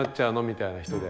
みたいな人で。